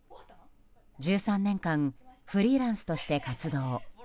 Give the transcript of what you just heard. １３年間フリーランスとして活動。